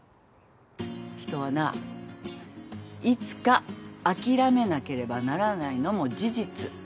人はないつか諦めなければならないのも事実。